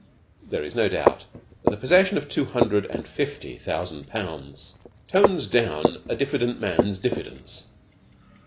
There is no doubt that the possession of two hundred and fifty thousand pounds tones down a diffident man's diffidence.